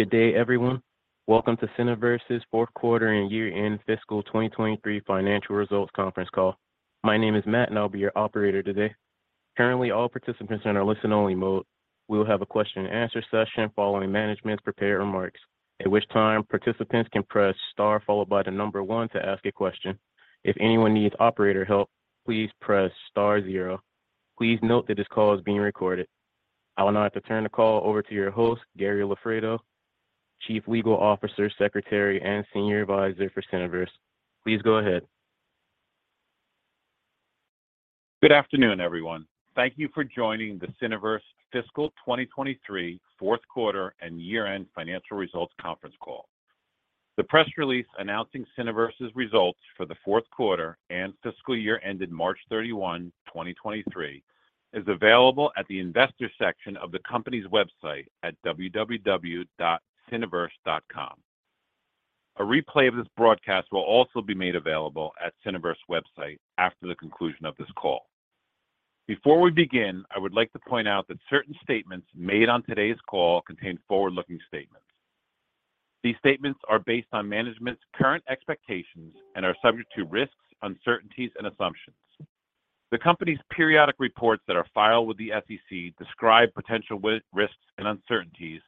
Good day, everyone. Welcome to Cineverse's fourth quarter and year-end fiscal 2023 financial results conference call. My name is Matt, and I'll be your operator today. Currently, all participants are in our listen-only mode. We will have a question-and-answer session following management's prepared remarks, at which time participants can press star followed by the number one to ask a question. If anyone needs operator help, please press star zero. Please note that this call is being recorded. I will now like to turn the call over to your host, Gary Loffredo, chief legal officer, secretary, and senior advisor for Cineverse. Please go ahead. Good afternoon, everyone. Thank you for joining the Cineverse fiscal 2023 fourth quarter and year-end financial results conference call. The press release announcing Cineverse's results for the fourth quarter and fiscal year ended March 31, 2023, is available at the investor section of the company's website at www.cineverse.com. A replay of this broadcast will also be made available at Cineverse website after the conclusion of this call. Before we begin, I would like to point out that certain statements made on today's call contain forward-looking statements. These statements are based on management's current expectations and are subject to risks, uncertainties and assumptions. The company's periodic reports that are filed with the SEC describe potential risks and uncertainties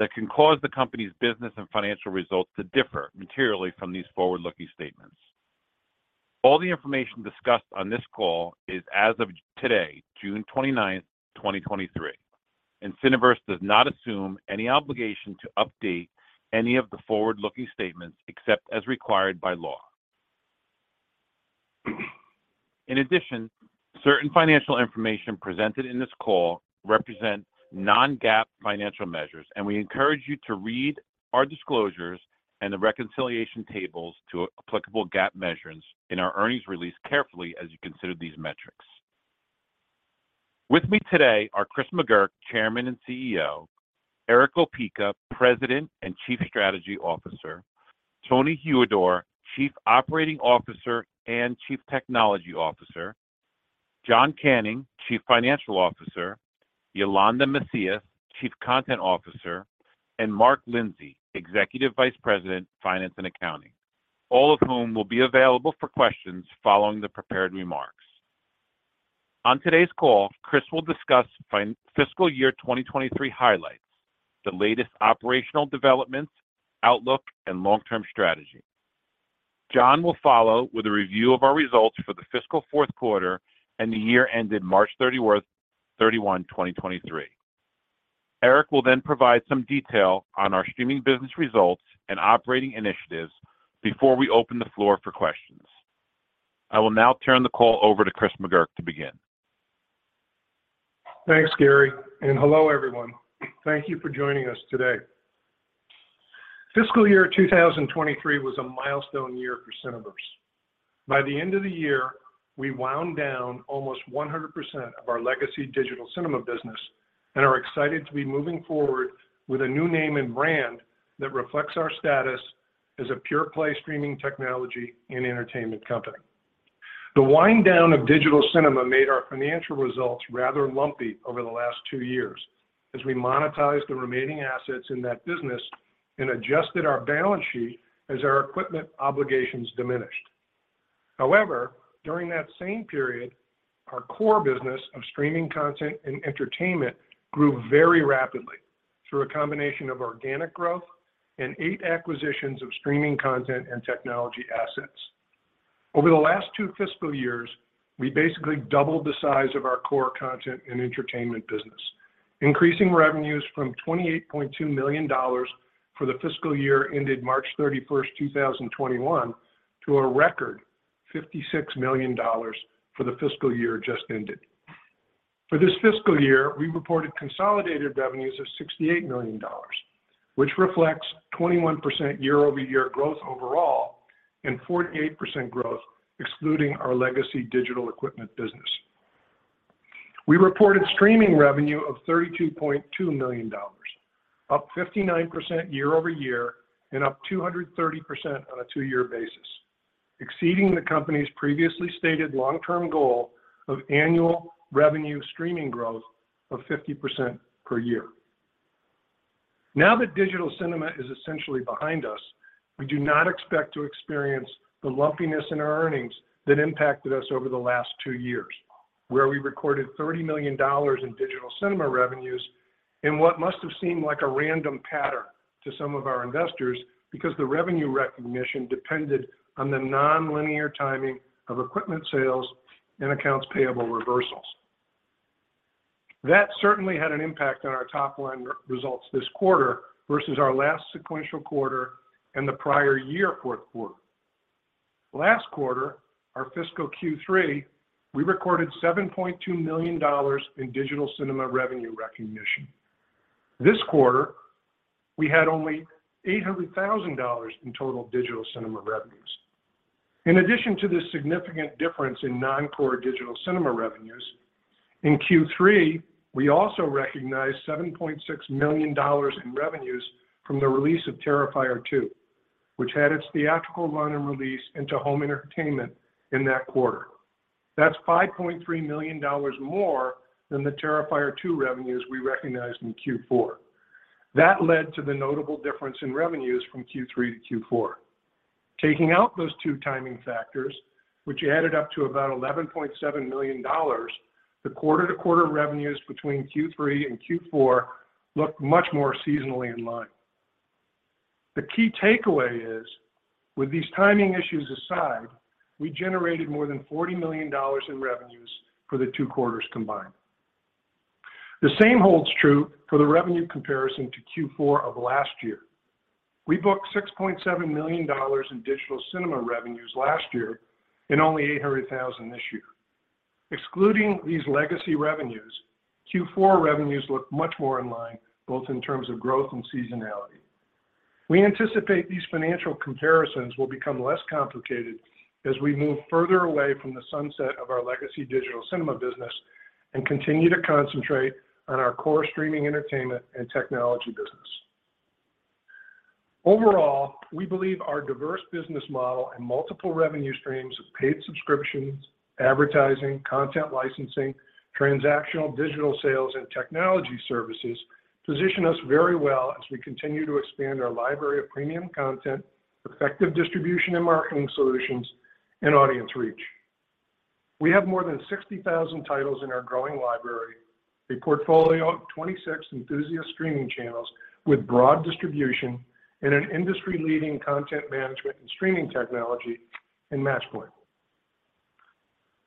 that can cause the company's business and financial results to differ materially from these forward-looking statements. All the information discussed on this call is as of today, June 29, 2023. Cineverse does not assume any obligation to update any of the forward-looking statements except as required by law. In addition, certain financial information presented in this call represent non-GAAP financial measures. We encourage you to read our disclosures and the reconciliation tables to applicable GAAP measures in our earnings release carefully as you consider these metrics. With me today are Chris McGurk, chairman and CEO; Erick Opeka, president and chief strategy officer; Tony Huidor, chief operating officer and chief technology officer; John Canning, chief financial officer; Yolanda Macias, chief content officer; and Mark Lindsey, executive vice president, finance and accounting, all of whom will be available for questions following the prepared remarks. On today's call, Chris will discuss fiscal year 2023 highlights, the latest operational developments, outlook, and long-term strategy. John will follow with a review of our results for the fiscal fourth quarter and the year ended March 31, 2023. Erick will then provide some detail on our streaming business results and operating initiatives before we open the floor for questions. I will now turn the call over to Chris McGurk to begin. Thanks, Gary. Hello, everyone. Thank you for joining us today. Fiscal year 2023 was a milestone year for Cineverse. By the end of the year, we wound down almost 100% of our legacy digital cinema business and are excited to be moving forward with a new name and brand that reflects our status as a pure play streaming technology and entertainment company. The wind down of digital cinema made our financial results rather lumpy over the last two years as we monetized the remaining assets in that business and adjusted our balance sheet as our equipment obligations diminished. During that same period, our core business of streaming content and entertainment grew very rapidly through a combination of organic growth and eight acquisitions of streaming content and technology assets. Over the last two fiscal years, we basically doubled the size of our core content and entertainment business, increasing revenues from $28.2 million for the fiscal year ended March 31st, 2021, to a record $56 million for the fiscal year just ended. For this fiscal year, we reported consolidated revenues of $68 million, which reflects 21% year-over-year growth overall and 48% growth excluding our legacy digital equipment business. We reported streaming revenue of $32.2 million, up 59% year-over-year and up 230% on a two-year basis, exceeding the company's previously stated long-term goal of annual revenue streaming growth of 50% per year. Now that digital cinema is essentially behind us, we do not expect to experience the lumpiness in our earnings that impacted us over the last two years, where we recorded $30 million in digital cinema revenues in what must have seemed like a random pattern to some of our investors, because the revenue recognition depended on the nonlinear timing of equipment sales and accounts payable reversals. That certainly had an impact on our top line results this quarter versus our last sequential quarter and the prior year fourth quarter. Last quarter, our fiscal Q3, we recorded $7.2 million in digital cinema revenue recognition. This quarter, we had only $800,000 in total digital cinema revenues. In addition to this significant difference in non-core digital cinema revenues, in Q3, we also recognized $7.6 million in revenues from the release of Terrifier 2, which had its theatrical run and release into home entertainment in that quarter. That's $5.3 million more than the Terrifier 2 revenues we recognized in Q4. That led to the notable difference in revenues from Q3 to Q4. Taking out those two timing factors, which added up to about $11.7 million, the quarter-to-quarter revenues between Q3 and Q4 look much more seasonally in line. The key takeaway is, with these timing issues aside, we generated more than $40 million in revenues for the two quarters combined. The same holds true for the revenue comparison to Q4 of last year. We booked $6.7 million in digital cinema revenues last year and only $800,000 this year. Excluding these legacy revenues, Q4 revenues look much more in line, both in terms of growth and seasonality. We anticipate these financial comparisons will become less complicated as we move further away from the sunset of our legacy digital cinema business and continue to concentrate on our core streaming entertainment and technology business. Overall, we believe our diverse business model and multiple revenue streams of paid subscriptions, advertising, content licensing, transactional digital sales, and technology services position us very well as we continue to expand our library of premium content, effective distribution and marketing solutions, and audience reach. We have more than 60,000 titles in our growing library, a portfolio of 26 enthusiast streaming channels with broad distribution, and an industry-leading content management and streaming technology in Matchpoint.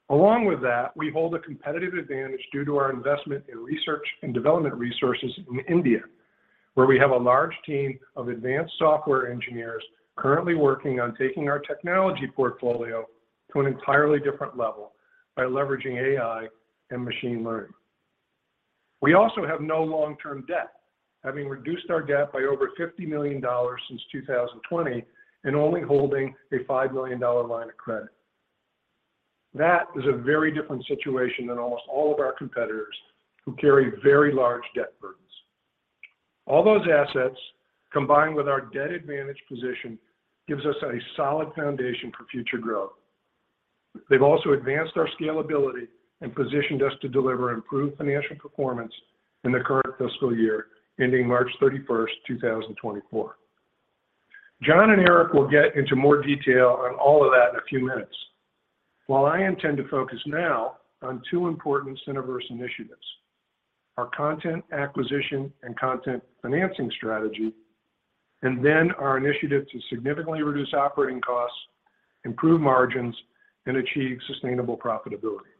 Along with that, we hold a competitive advantage due to our investment in research and development resources in India, where we have a large team of advanced software engineers currently working on taking our technology portfolio to an entirely different level by leveraging AI and machine learning. We also have no long-term debt, having reduced our debt by over $50 million since 2020, and only holding a $5 million line of credit. That is a very different situation than almost all of our competitors, who carry very large debt burdens. All those assets, combined with our debt-advantaged position, gives us a solid foundation for future growth. They've also advanced our scalability and positioned us to deliver improved financial performance in the current fiscal year, ending March 31st, 2024. John and Erick will get into more detail on all of that in a few minutes, while I intend to focus now on two important Cineverse initiatives: our content acquisition and content financing strategy, our initiative to significantly reduce operating costs, improve margins, and achieve sustainable profitability.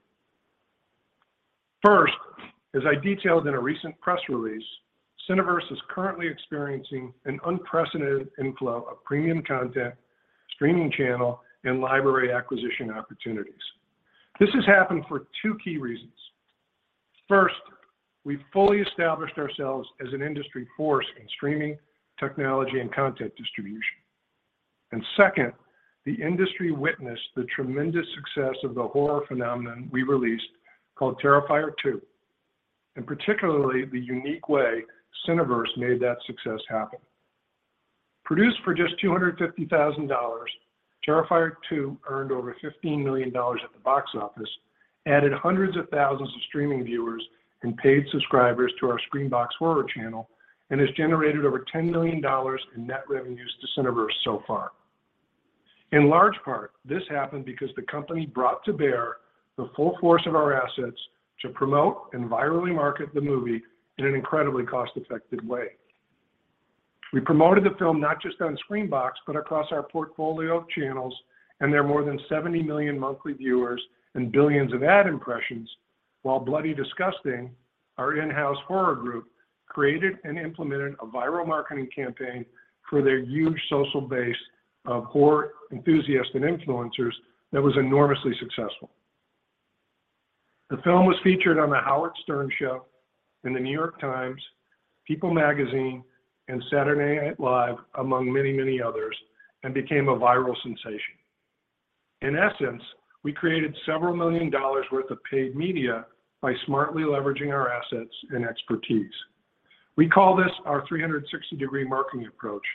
As I detailed in a recent press release, Cineverse is currently experiencing an unprecedented inflow of premium content, streaming channel, and library acquisition opportunities. This has happened for two key reasons. We've fully established ourselves as an industry force in streaming, technology, and content distribution. Second, the industry witnessed the tremendous success of the horror phenomenon we released called Terrifier 2, and particularly the unique way Cineverse made that success happen. Produced for just $250,000, Terrifier 2 earned over $15 million at the box office, added hundreds of thousands of streaming viewers and paid subscribers to our Screambox horror channel, and has generated over $10 million in net revenues to Cineverse so far. In large part, this happened because the company brought to bear the full force of our assets to promote and virally market the movie in an incredibly cost-effective way. We promoted the film not just on Screambox, but across our portfolio of channels and their more than 70 million monthly viewers and billions of ad impressions, while Bloody Disgusting, our in-house horror group, created and implemented a viral marketing campaign for their huge social base of horror enthusiasts and influencers that was enormously successful. The film was featured on The Howard Stern Show, in The New York Times, People magazine, and Saturday Night Live, among many, many others, and became a viral sensation. In essence, we created several million dollars worth of paid media by smartly leveraging our assets and expertise. We call this our 360-degree marketing approach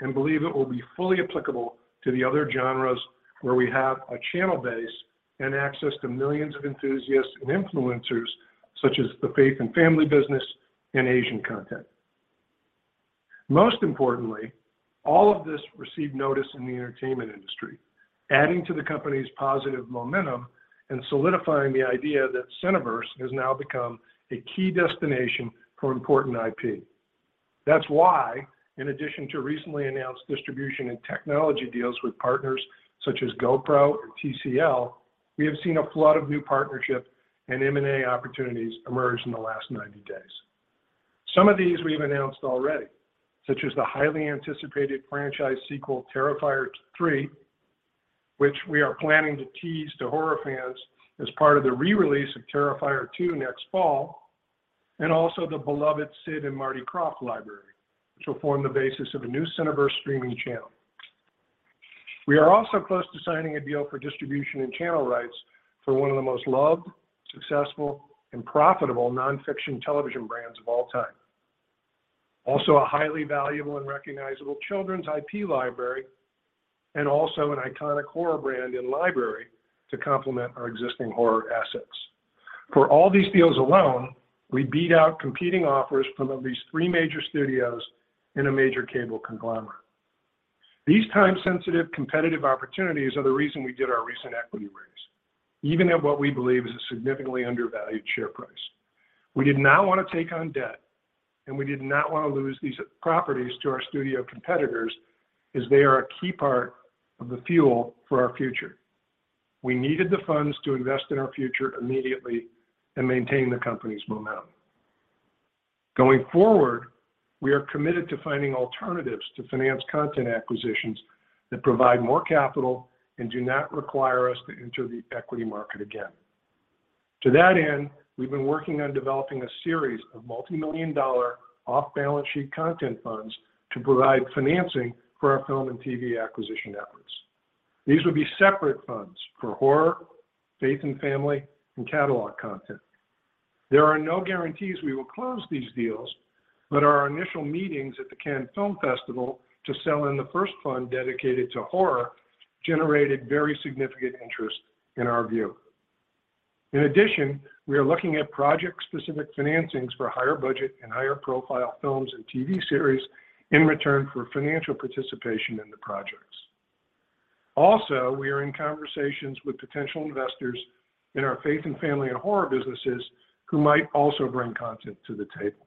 and believe it will be fully applicable to the other genres where we have a channel base and access to millions of enthusiasts and influencers, such as the faith and family business and Asian content. Most importantly, all of this received notice in the entertainment industry, adding to the company's positive momentum and solidifying the idea that Cineverse has now become a key destination for important IP. That's why, in addition to recently announced distribution and technology deals with partners such as GoPro and TCL, we have seen a flood of new partnerships and M&A opportunities emerge in the last 90 days. Some of these we've announced already, such as the highly anticipated franchise sequel, Terrifier 3, which we are planning to tease to horror fans as part of the re-release of Terrifier 2 next fall, and also the beloved Sid & Marty Krofft library, which will form the basis of a new Cineverse streaming channel. We are also close to signing a deal for distribution and channel rights for one of the most loved, successful, and profitable nonfiction television brands of all time. Also a highly valuable and recognizable children's IP library and also an iconic horror brand and library to complement our existing horror assets. For all these deals alone, we beat out competing offers from at least three major studios and a major cable conglomerate. These time-sensitive, competitive opportunities are the reason we did our recent equity raise, even at what we believe is a significantly undervalued share price. We did not want to take on debt, and we did not want to lose these properties to our studio competitors, as they are a key part of the fuel for our future. We needed the funds to invest in our future immediately and maintain the company's momentum. Going forward, we are committed to finding alternatives to finance content acquisitions that provide more capital and do not require us to enter the equity market again. To that end, we've been working on developing a series of multimillion-dollar off-balance-sheet content funds to provide financing for our film and TV acquisition efforts. These will be separate funds for horror, faith and family, and catalog content. There are no guarantees we will close these deals, our initial meetings at the Cannes Film Festival to sell in the first fund dedicated to horror generated very significant interest in our view. In addition, we are looking at project-specific financings for higher budget and higher profile films and TV series in return for financial participation in the projects. We are in conversations with potential investors in our faith and family and horror businesses who might also bring content to the table.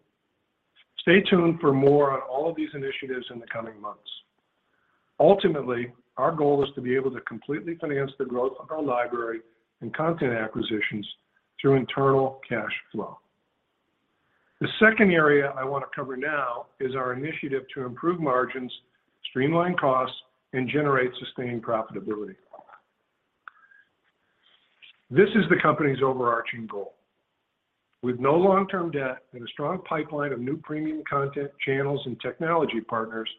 Stay tuned for more on all of these initiatives in the coming months. Ultimately, our goal is to be able to completely finance the growth of our library and content acquisitions through internal cash flow. The second area I want to cover now is our initiative to improve margins, streamline costs, and generate sustained profitability. This is the company's overarching goal. With no long-term debt and a strong pipeline of new premium content, channels, and technology partners,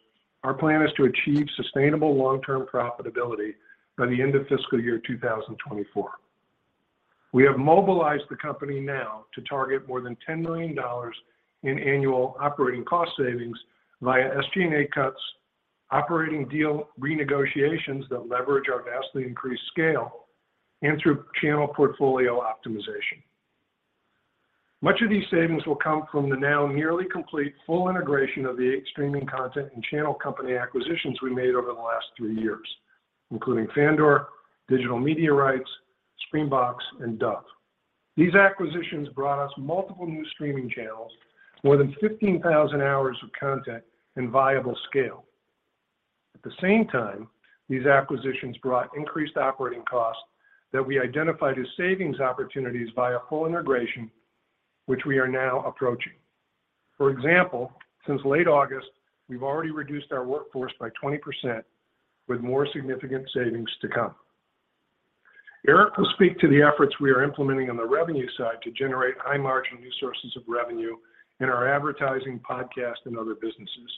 our plan is to achieve sustainable long-term profitability by the end of fiscal year 2024. We have mobilized the company now to target more than $10 million in annual operating cost savings via SG&A cuts, operating deal renegotiations that leverage our vastly increased scale, and through channel portfolio optimization. Much of these savings will come from the now nearly complete full integration of the eight streaming content and channel company acquisitions we made over the last three years, including Fandor, Digital Media Rights, Screambox, and Dove. These acquisitions brought us multiple new streaming channels, more than 15,000 hours of content and viable scale. At the same time, these acquisitions brought increased operating costs that we identified as savings opportunities via full integration, which we are now approaching. For example, since late August, we've already reduced our workforce by 20%, with more significant savings to come. Erick will speak to the efforts we are implementing on the revenue side to generate high-margin new sources of revenue in our advertising, podcast, and other businesses.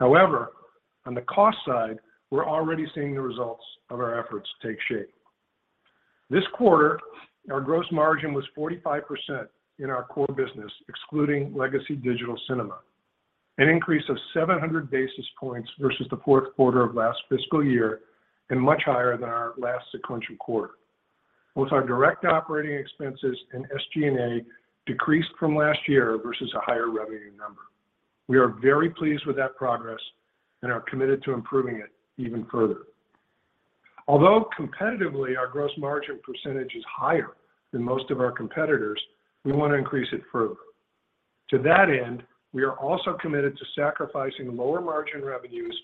On the cost side, we're already seeing the results of our efforts take shape. This quarter, our gross margin was 45% in our core business, excluding legacy digital cinema, an increase of 700 basis points versus the fourth quarter of last fiscal year and much higher than our last sequential quarter. Both our direct operating expenses and SG&A decreased from last year versus a higher revenue number. We are very pleased with that progress and are committed to improving it even further. Competitively, our gross margin percentage is higher than most of our competitors, we want to increase it further. To that end, we are also committed to sacrificing lower-margin revenues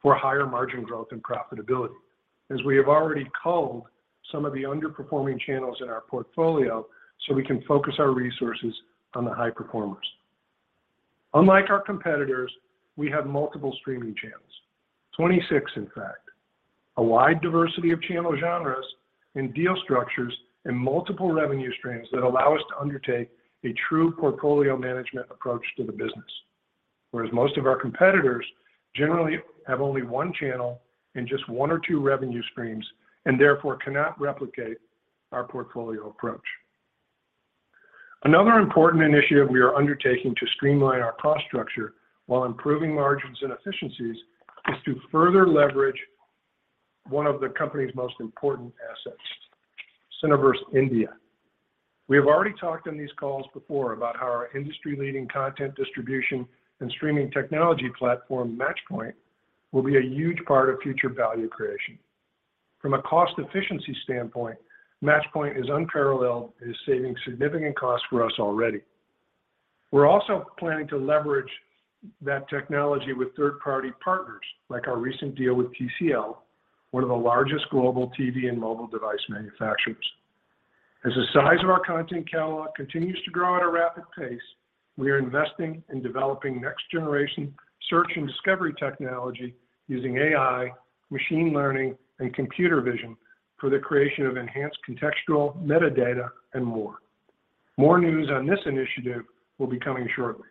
for higher-margin growth and profitability, as we have already culled some of the underperforming channels in our portfolio, so we can focus our resources on the high performers. Unlike our competitors, we have multiple streaming channels, 26, in fact, a wide diversity of channel genres and deal structures and multiple revenue streams that allow us to undertake a true portfolio management approach to the business. Most of our competitors generally have only one channel and just one or two revenue streams, and therefore cannot replicate our portfolio approach. Another important initiative we are undertaking to streamline our cost structure while improving margins and efficiencies is to further leverage one of the company's most important assets, Cineverse India. We have already talked on these calls before about how our industry-leading content distribution and streaming technology platform, Matchpoint, will be a huge part of future value creation. From a cost efficiency standpoint, Matchpoint is unparalleled and is saving significant costs for us already. We're also planning to leverage that technology with third-party partners, like our recent deal with TCL, one of the largest global TV and mobile device manufacturers. As the size of our content catalog continues to grow at a rapid pace, we are investing in developing next-generation search and discovery technology using AI, machine learning, and computer vision for the creation of enhanced contextual metadata and more. More news on this initiative will be coming shortly.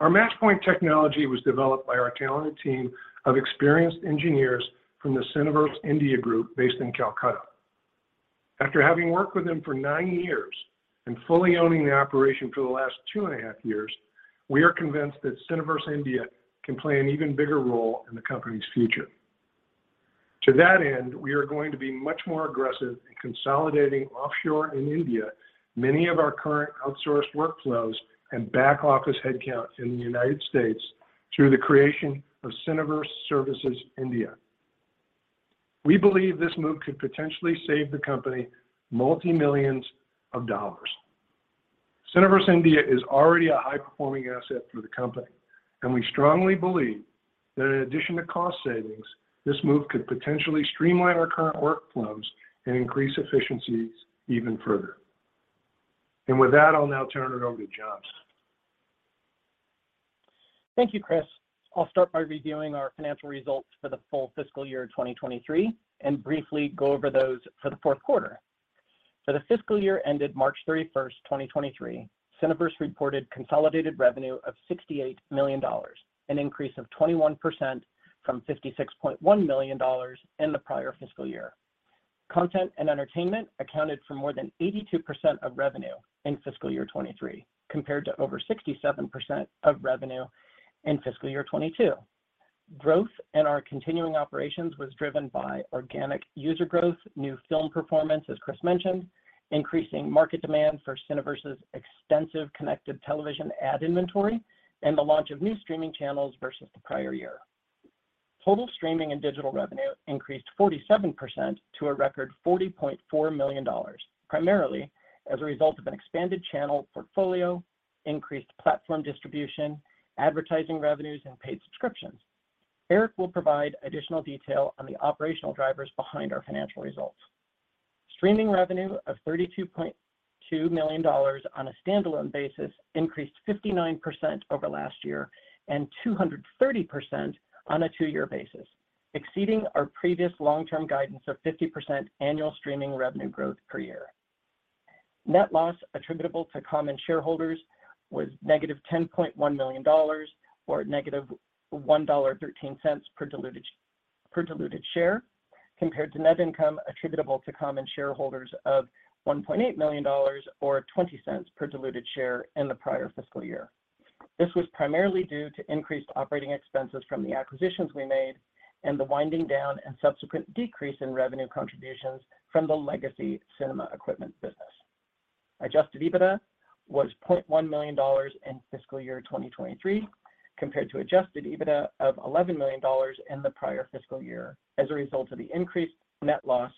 Our Matchpoint technology was developed by our talented team of experienced engineers from the Cineverse India Group based in Kolkata. After having worked with them for nine years and fully owning the operation for the last 2.5 years, we are convinced that Cineverse India can play an even bigger role in the company's future. To that end, we are going to be much more aggressive in consolidating offshore in India many of our current outsourced workflows and back office headcount in the United States through the creation of Cineverse Services India. We believe this move could potentially save the company multi-millions of dollars. Cineverse India is already a high-performing asset for the company, we strongly believe that in addition to cost savings, this move could potentially streamline our current workflows and increase efficiencies even further. With that, I'll now turn it over to John's. Thank you, Chris. I'll start by reviewing our financial results for the full fiscal year 2023 and briefly go over those for the fourth quarter. For the fiscal year ended March 31st, 2023, Cineverse reported consolidated revenue of $68 million, an increase of 21% from $56.1 million in the prior fiscal year. Content and entertainment accounted for more than 82% of revenue in fiscal year 2023, compared to over 67% of revenue in fiscal year 2022. Growth in our continuing operations was driven by organic user growth, new film performance, as Chris mentioned, increasing market demand for Cineverse's extensive connected television ad inventory, and the launch of new streaming channels versus the prior year. Total streaming and digital revenue increased 47% to a record $40.4 million, primarily as a result of an expanded channel portfolio, increased platform distribution, advertising revenues, and paid subscriptions. Erick will provide additional detail on the operational drivers behind our financial results. Streaming revenue of $32.2 million on a standalone basis increased 59% over last year and 230% on a two-year basis, exceeding our previous long-term guidance of 50% annual streaming revenue growth per year. Net loss attributable to common shareholders was -$10.1 million or -$1.13 per diluted share, compared to net income attributable to common shareholders of $1.8 million or $0.20 per diluted share in the prior fiscal year. This was primarily due to increased operating expenses from the acquisitions we made and the winding down and subsequent decrease in revenue contributions from the legacy cinema equipment business. Adjusted EBITDA was $0.1 million in fiscal year 2023, compared to adjusted EBITDA of $11 million in the prior fiscal year, as a result of the increased net loss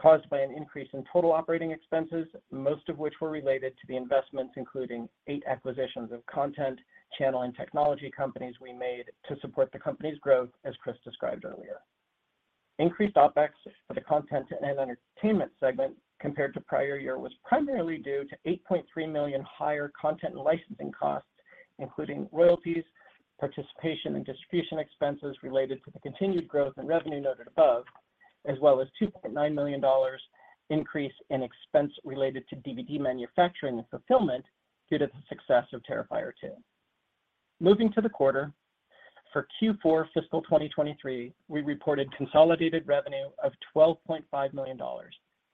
caused by an increase in total operating expenses, most of which were related to the investments, including eight acquisitions of content, channel, and technology companies we made to support the company's growth, as Chris described earlier. Increased OpEx for the content and entertainment segment compared to prior year was primarily due to $8.3 million higher content and licensing costs, including royalties, participation, and distribution expenses related to the continued growth and revenue noted above, as well as a $2.9 million increase in expense related to DVD manufacturing and fulfillment due to the success of Terrifier 2. Moving to the quarter, for Q4 fiscal 2023, we reported consolidated revenue of $12.5 million,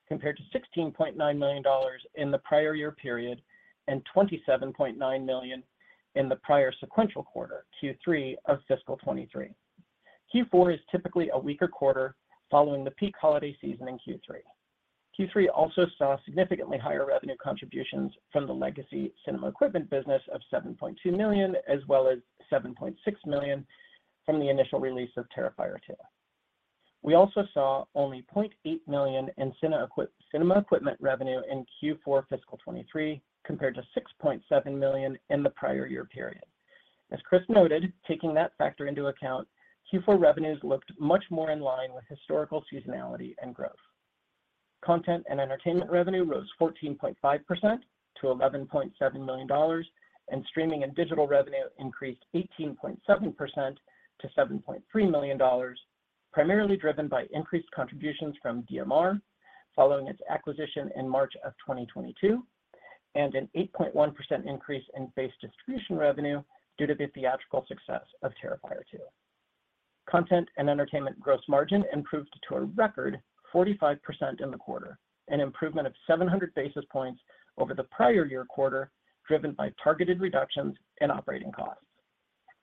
compared to $16.9 million in the prior year period and $27.9 million in the prior sequential quarter, Q3 of fiscal 2023. Q4 is typically a weaker quarter following the peak holiday season in Q3. Q3 also saw significantly higher revenue contributions from the legacy cinema equipment business of $7.2 million, as well as $7.6 million from the initial release of Terrifier 2. We also saw only $0.8 million in cinema equipment revenue in Q4 fiscal 2023, compared to $6.7 million in the prior year period. As Chris noted, taking that factor into account, Q4 revenues looked much more in line with historical seasonality and growth. Content and entertainment revenue rose 14.5% to $11.7 million, and streaming and digital revenue increased 18.7% to $7.3 million, primarily driven by increased contributions from DMR following its acquisition in March of 2022, and an 8.1% increase in base distribution revenue due to the theatrical success of Terrifier 2. Content and entertainment gross margin improved to a record 45% in the quarter, an improvement of 700 basis points over the prior year quarter, driven by targeted reductions in operating costs.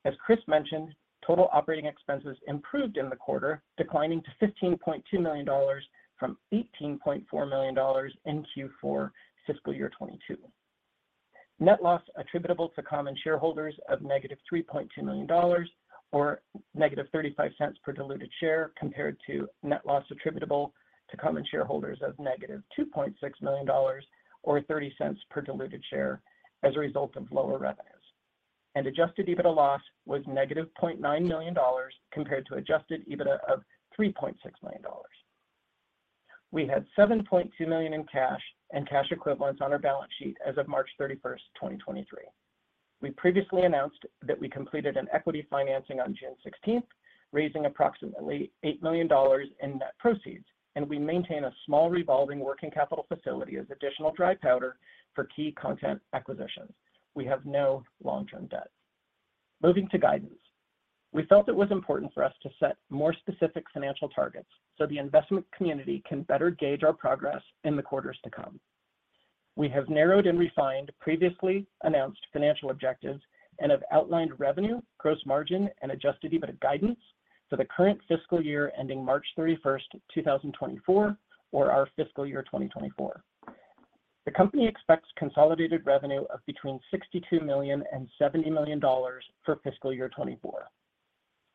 As Chris mentioned, total operating expenses improved in the quarter, declining to $15.2 million from $18.4 million in Q4 fiscal year 2022. Net loss attributable to common shareholders of -$3.2 million or -$0.35 per diluted share, compared to net loss attributable to common shareholders of -$2.6 million or $0.30 per diluted share as a result of lower revenues. Adjusted EBITDA loss was -$0.9 million, compared to adjusted EBITDA of $3.6 million. We had $7.2 million in cash and cash equivalents on our balance sheet as of March 31st, 2023. We previously announced that we completed an equity financing on June 16th, raising approximately $8 million in net proceeds, and we maintain a small revolving working capital facility as additional dry powder for key content acquisitions. We have no long-term debt. Moving to guidance. We felt it was important for us to set more specific financial targets, so the investment community can better gauge our progress in the quarters to come. We have narrowed and refined previously announced financial objectives and have outlined revenue, gross margin, and adjusted EBITDA guidance for the current fiscal year, ending March 31st, 2024, or our fiscal year 2024. The company expects consolidated revenue of between $62 million and $70 million for fiscal year 2024,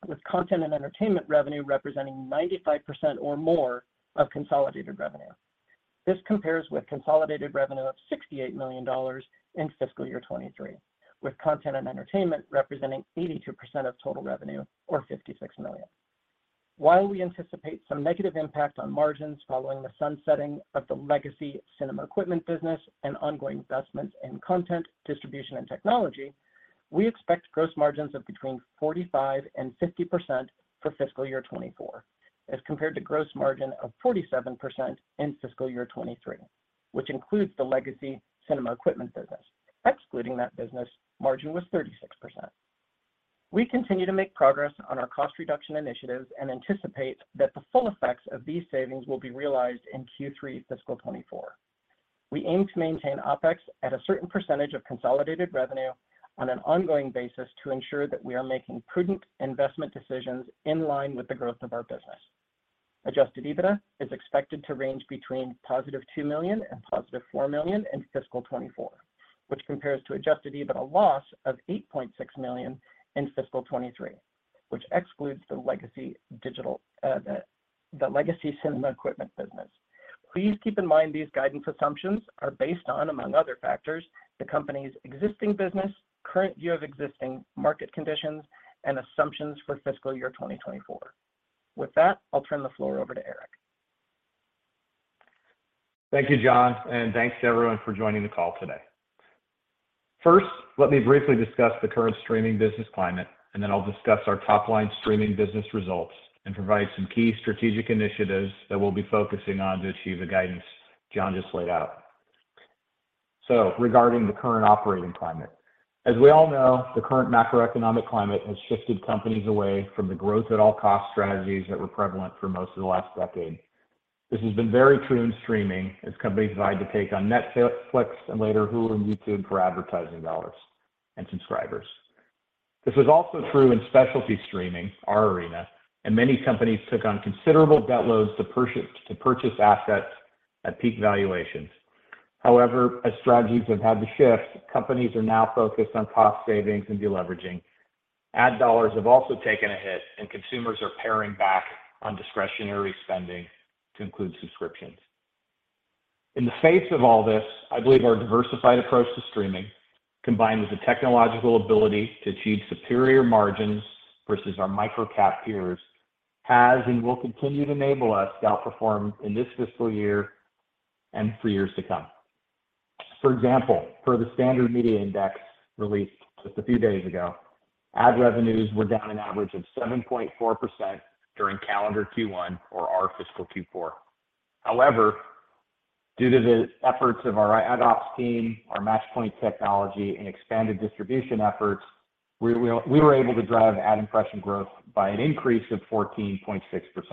with content and entertainment revenue representing 95% or more of consolidated revenue. This compares with consolidated revenue of $68 million in fiscal year 2023, with content and entertainment representing 82% of total revenue, or $56 million. While we anticipate some negative impact on margins following the sunsetting of the legacy Cinema Equipment business and ongoing investments in content, distribution, and technology, we expect gross margins of between 45% and 50% for fiscal year 2024, as compared to gross margin of 47% in fiscal year 2023, which includes the legacy Cinema Equipment business. Excluding that business, margin was 36%. We continue to make progress on our cost reduction initiatives and anticipate that the full effects of these savings will be realized in Q3 fiscal 2024. We aim to maintain OpEx at a certain percentage of consolidated revenue on an ongoing basis to ensure that we are making prudent investment decisions in line with the growth of our business. Adjusted EBITDA is expected to range between +$2 million and +$4 million in fiscal 2024, which compares to adjusted EBITDA loss of $8.6 million in fiscal 2023, which excludes the legacy digital, the legacy Cinema Equipment business. Please keep in mind, these guidance assumptions are based on, among other factors, the company's existing business, current view of existing market conditions, and assumptions for fiscal year 2024. With that, I'll turn the floor over to Erick. Thank you, John, and thanks to everyone for joining the call today. First, let me briefly discuss the current streaming business climate, and then I'll discuss our top-line streaming business results and provide some key strategic initiatives that we'll be focusing on to achieve the guidance John just laid out. Regarding the current operating climate. As we all know, the current macroeconomic climate has shifted companies away from the growth at all cost strategies that were prevalent for most of the last decade. This has been very true in streaming, as companies vied to take on Netflix and later, Hulu and YouTube for advertising dollars and subscribers. This was also true in specialty streaming, our arena, and many companies took on considerable debt loads to purchase assets at peak valuations. However, as strategies have had to shift, companies are now focused on cost savings and deleveraging. Ad dollars have also taken a hit. Consumers are paring back on discretionary spending to include subscriptions. In the face of all this, I believe our diversified approach to streaming, combined with the technological ability to achieve superior margins versus our micro-cap peers, has and will continue to enable us to outperform in this fiscal year and for years to come. For example, per the Standard Media Index released just a few days ago, ad revenues were down an average of 7.4% during calendar Q1 or our fiscal Q4. Due to the efforts of our ad ops team, our Matchpoint technology, and expanded distribution efforts, we were able to drive ad impression growth by an increase of 14.6%,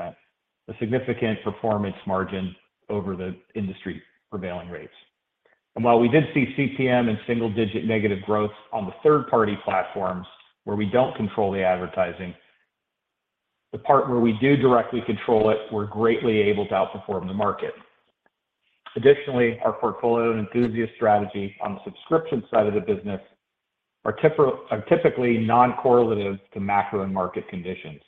a significant performance margin over the industry prevailing rates. While we did see CPM and single-digit negative growth on the third-party platforms where we don't control the advertising, the part where we do directly control it, we're greatly able to outperform the market. Additionally, our portfolio and enthusiast strategy on the subscription side of the business are typically non-correlative to macro and market conditions.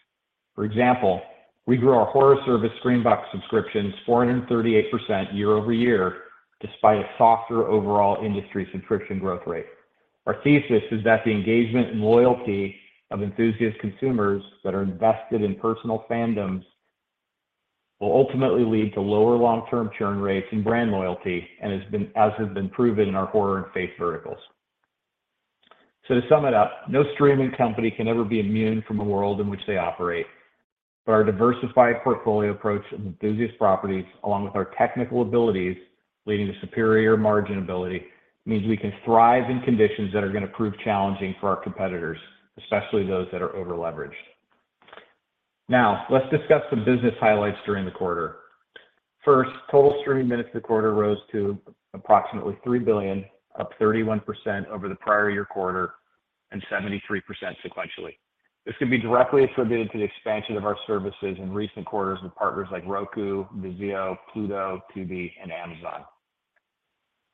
For example, we grew our horror service, Screambox, subscriptions, 438% year-over-year, despite a softer overall industry subscription growth rate. Our thesis is that the engagement and loyalty of enthusiast consumers that are invested in personal fandoms will ultimately lead to lower long-term churn rates and brand loyalty has been proven in our horror and faith verticals. To sum it up, no streaming company can ever be immune from the world in which they operate. Our diversified portfolio approach and enthusiast properties, along with our technical abilities, leading to superior margin ability, means we can thrive in conditions that are gonna prove challenging for our competitors, especially those that are overleveraged. Let's discuss some business highlights during the quarter. First, total streaming minutes the quarter rose to approximately 3 billion, up 31% over the prior year quarter and 73% sequentially. This could be directly attributed to the expansion of our services in recent quarters with partners like Roku, VIZIO, Pluto, Tubi, and Amazon.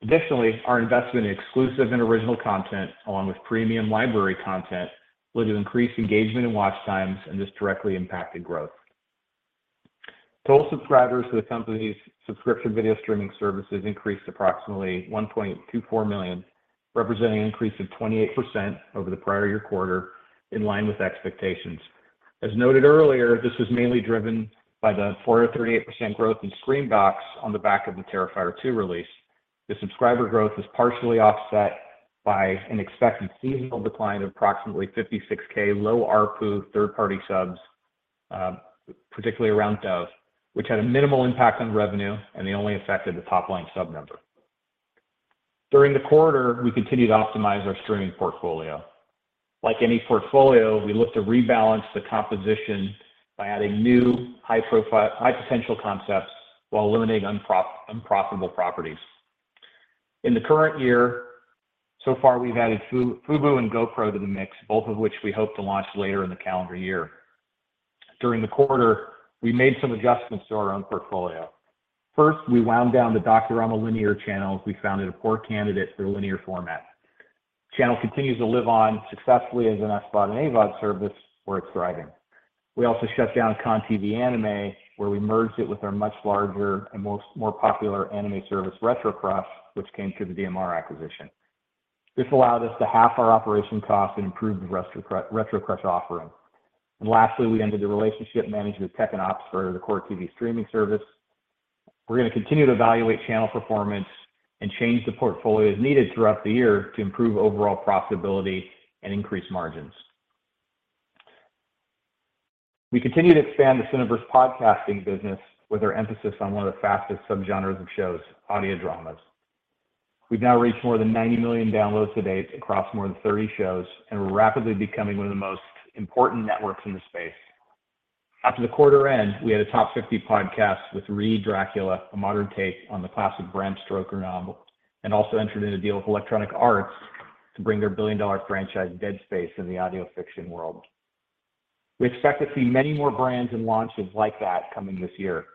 Additionally, our investment in exclusive and original content, along with premium library content, led to increased engagement and watch times, and this directly impacted growth. Total subscribers to the company's subscription video streaming services increased approximately 1.24 million, representing an increase of 28% over the prior year quarter, in line with expectations. As noted earlier, this was mainly driven by the 438% growth in Screambox on the back of the Terrifier 2 release. The subscriber growth was partially offset by an expected seasonal decline of approximately 56K low ARPU, third-party subs, particularly around Dove, which had a minimal impact on revenue and they only affected the top-line sub number. During the quarter, we continued to optimize our streaming portfolio. Like any portfolio, we look to rebalance the composition by adding new high profile, high potential concepts while eliminating unprofitable properties. In the current year, so far, we've added FUBU and GoPro to the mix, both of which we hope to launch later in the calendar year. During the quarter, we made some adjustments to our own portfolio. First, we wound down the Docurama linear channel. We founded a poor candidate for the linear format. Channel continues to live on successfully as an SVOD and AVOD service, where it's thriving. We also shut down CONtv Anime, where we merged it with our much larger and most more popular anime service, RetroCrush, which came through the DMR acquisition. This allowed us to half our operation costs and improve the RetroCrush offering. Lastly, we ended the relationship management with tech ops for the core TV streaming service. We're gonna continue to evaluate channel performance and change the portfolio as needed throughout the year to improve overall profitability and increase margins. We continue to expand the Cineverse podcasting business with our emphasis on one of the fastest subgenres of shows, audio dramas. We've now reached more than 90 million downloads to date across more than 30 shows, and we're rapidly becoming one of the most important networks in the space. After the quarter end, we had a top 50 podcast with Re: Dracula, a modern take on the classic Bram Stoker novel, and also entered into a deal with Electronic Arts to bring their billion-dollar franchise, Dead Space, in the audio fiction world. We expect to see many more brands and launches like that coming this year.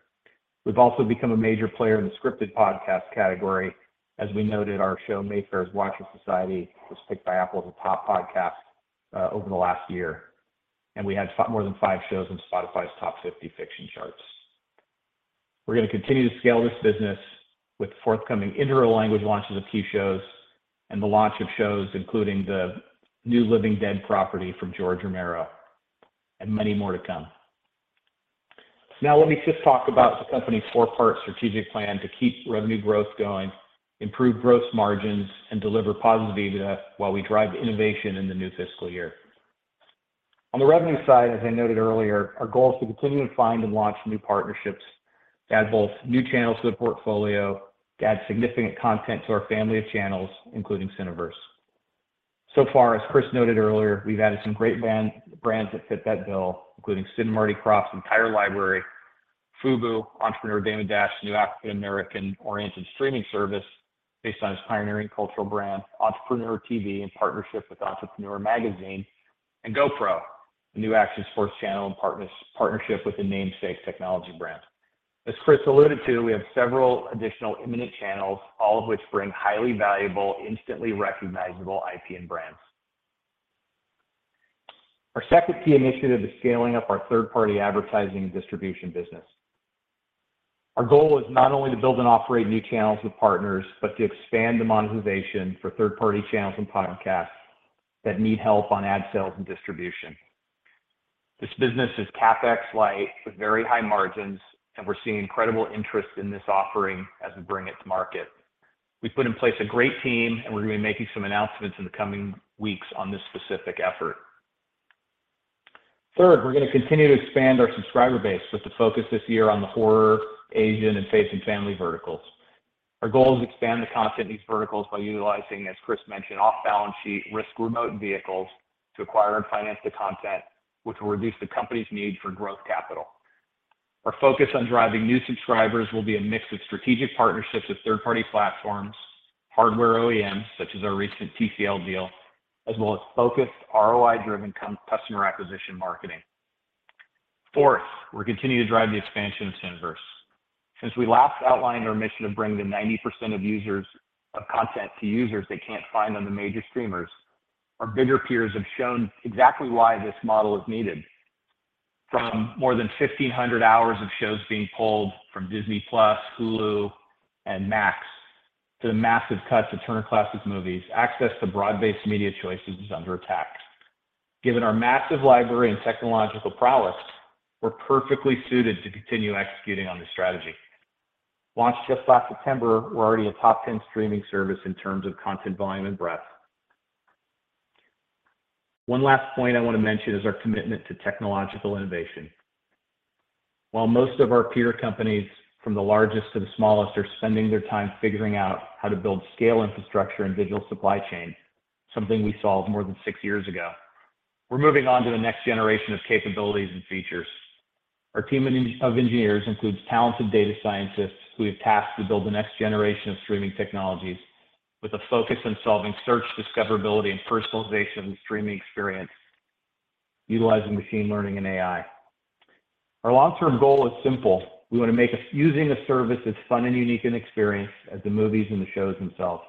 We've also become a major player in the scripted podcast category. As we noted, our show, Mayfair Watcher Society, was picked by Apple as a top podcast over the last year, and we had more than five shows in Spotify's top 50 fiction charts. We're gonna continue to scale this business with forthcoming interlanguage launches of key shows and the launch of shows, including the new Living Dead property from George Romero, and many more to come. Let me just talk about the company's four-part strategic plan to keep revenue growth going, improve gross margins, and deliver positive EBITDA while we drive innovation in the new fiscal year. On the revenue side, as I noted earlier, our goal is to continue to find and launch new partnerships, to add both new channels to the portfolio, to add significant content to our family of channels, including Cineverse. So far, as Chris noted earlier, we've added some great brands that fit that bill, including Sid and Marty Krofft's entire library, FUBU, entrepreneur Daymond John, new African American-oriented streaming service based on his pioneering cultural brand, EntrepreneurTV, in partnership with Entrepreneur Magazine, and GoPro, a new action sports channel in partnership with the namesake technology brand. As Chris alluded to, we have several additional imminent channels, all of which bring highly valuable, instantly recognizable IP and brands. Our second key initiative is scaling up our third-party advertising and distribution business. Our goal is not only to build and operate new channels with partners, but to expand the monetization for third-party channels and podcasts that need help on ad sales and distribution. This business is CapEx light with very high margins, and we're seeing incredible interest in this offering as we bring it to market. We've put in place a great team, and we're gonna be making some announcements in the coming weeks on this specific effort. Third, we're gonna continue to expand our subscriber base with the focus this year on the horror, Asian, and faith and family verticals. Our goal is to expand the content in these verticals by utilizing, as Chris mentioned, off-balance sheet, risk remote vehicles to acquire and finance the content, which will reduce the company's need for growth capital. Our focus on driving new subscribers will be a mix of strategic partnerships with third-party platforms, hardware OEMs, such as our recent TCL deal, as well as focused ROI-driven customer acquisition marketing. Fourth, we're continuing to drive the expansion of Cineverse. Since we last outlined our mission to bring the 90% of users of content to users they can't find on the major streamers, our bigger peers have shown exactly why this model is needed. From more than 1,500 hours of shows being pulled from Disney+, Hulu, and Max, to the massive cuts of Turner Classic Movies, access to broad-based media choices is under attack. Given our massive library and technological prowess, we're perfectly suited to continue executing on this strategy. Launched just last September, we're already a top 10 streaming service in terms of content, volume, and breadth. One last point I wanna mention is our commitment to technological innovation. While most of our peer companies, from the largest to the smallest, are spending their time figuring out how to build scale, infrastructure, and digital supply chain, something we solved more than six years ago, we're moving on to the next generation of capabilities and features. Our team of engineers includes talented data scientists who we have tasked to build the next generation of streaming technologies, with a focus on solving search, discoverability, and personalization of the streaming experience, utilizing machine learning and AI. Our long-term goal is simple: We want to make using a service as fun and unique an experience as the movies and the shows themselves.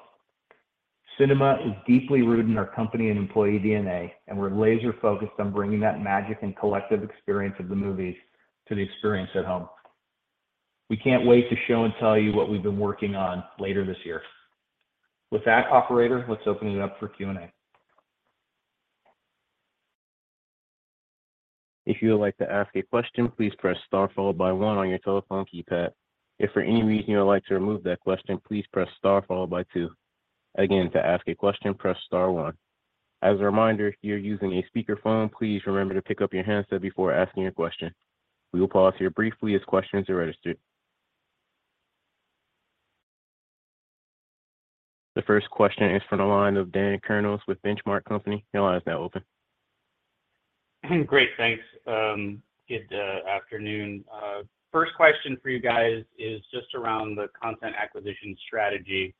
Cinema is deeply rooted in our company and employee DNA. We're laser-focused on bringing that magic and collective experience of the movies to the experience at home. We can't wait to show and tell you what we've been working on later this year. With that, operator, let's open it up for Q&A. If you would like to ask a question, please press star followed by one on your telephone keypad. If for any reason you would like to remove that question, please press star followed by two. Again, to ask a question, press star one. As a reminder, if you're using a speakerphone, please remember to pick up your handset before asking your question. We will pause here briefly as questions are registered. The first question is from the line of Dan Kurnos with The Benchmark Company. Your line is now open. Great, thanks. Good afternoon. First question for you guys is just around the content acquisition strategy.